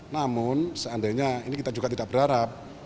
namun seandainya ini kita juga tidak berharap